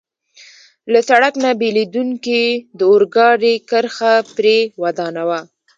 له سړک نه بېلېدونکې د اورګاډي کرښه پرې ودانوه.